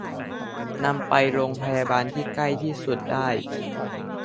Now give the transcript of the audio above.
นำไปโรงพยาบาลที่ใกล้ที่สุดได้